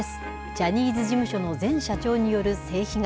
ジャニーズ事務所の前社長による性被害。